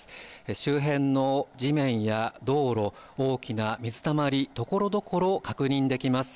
周辺の地面や道路大きな水たまり、ところどころ確認できます。